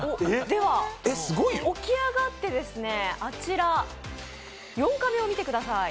では起き上がって、あちら４カメを見てください。